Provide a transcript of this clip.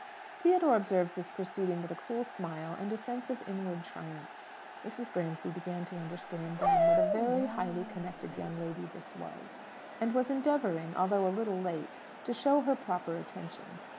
Theodore observed this proceeding with a cool smile, and sense of inward triumph. Mrs. Bransby began to understand, then, what a very highly connected young lady this was, and was endeavouring, although a little late, to show her proper attention.